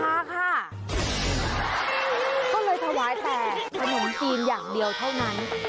ก็เลยถวายแต่ขนมจีนอย่างเดียวเท่านั้น